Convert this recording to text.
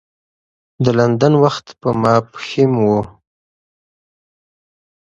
د لندن وخت په ماپښین و.